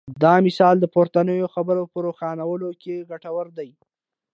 دا مثال د پورتنیو خبرو په روښانولو کې ګټور دی.